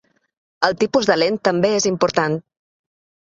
El tipus de lent també és important.